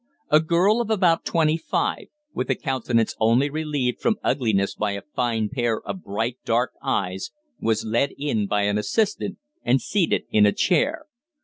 A girl of about twenty five, with a countenance only relieved from ugliness by a fine pair of bright dark eyes, was led in by an assistant and seated in a chair.